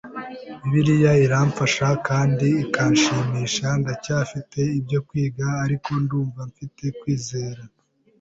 Bibiliya iramfasha kandi ikanshimisha. Ndacyafite ibyo kwiga ariko numva mfite kwizera